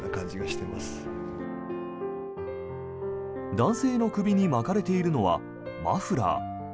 男性の首に巻かれているのはマフラー。